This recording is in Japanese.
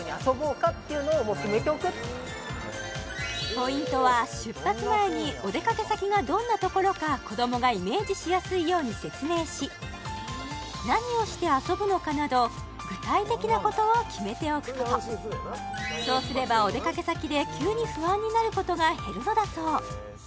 ポイントは出発前にお出かけ先がどんなところか子どもがイメージしやすいように説明し何をして遊ぶのかなど具体的なことを決めておくことそうすればお出かけ先で急に不安になることが減るのだそう